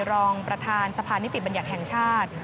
รองประธานสภานดิติบรรยัตธ์แห่งชาติ